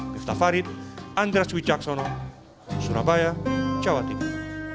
keftafarit andras wijaksono surabaya jawa tenggara